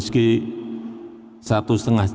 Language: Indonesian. sisulinkis dikontrol saya dan menjelaskan prosesnya